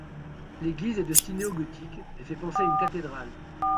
L'église est de style néogothique et fait penser à une cathédrale.